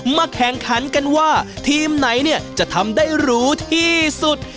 มาแข่งขันกันว่าทีมไหนเนี่ยจะทำได้หรูที่สุด